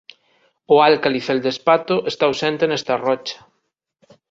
O álcali feldespato está ausente nesta rocha.